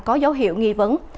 có dấu hiệu nghi vấn